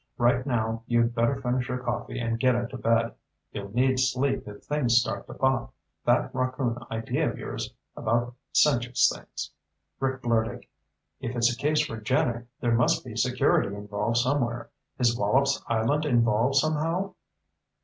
Right now, you'd better finish your coffee and get into bed. You'll need sleep if things start to pop. That rockoon idea of yours about cinches things." Rick blurted, "If it's a case for JANIG, there must be security involved somewhere. Is Wallops Island involved somehow?"